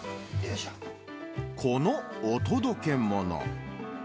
このお届け物。